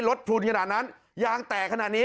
พลุนขนาดนั้นยางแตกขนาดนี้